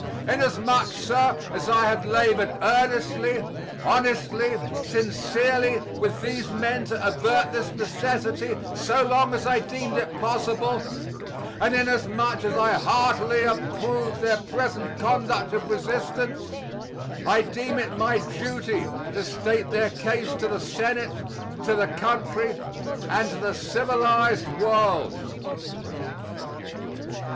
Inasmuch, sir, as I have labored earnestly, honestly, sincerely, with these men to avert this necessity so long as I deemed it possible, and inasmuch as I heartily approve their present conduct of resistance, I deem it my duty to state their case to the Senate, to the country, and to the civilized world.